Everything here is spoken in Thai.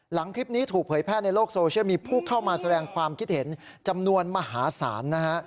หลังคลิปนี้ถูกเผยแพร่ในโลกโซเชียลมีผู้เข้ามาแสดงความคิดเห็นจำนวนมหาศาลนะฮะ